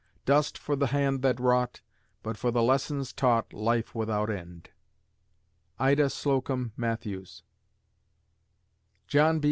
Dust for the hand that wrought; But for the lessons taught Life without end. IDA SLOCOMB MATTHEWS _John B.